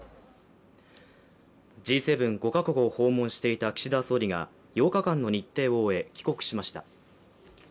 Ｇ７・５か国を訪問していた岸田総理が８日間の日程を終え、帰国しました。